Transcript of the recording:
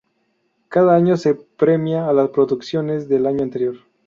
Cada año se premia a las producciones del año anterior.